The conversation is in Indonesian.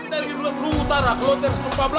dari luar keluar utara ke loter empat belas